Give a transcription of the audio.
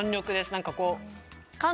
何かこう。